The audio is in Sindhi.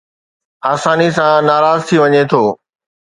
آساني سان ناراض ٿي وڃي ٿو